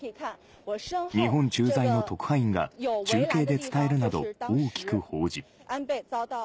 日本駐在の特派員が、中継で伝えるなど大きく報じ。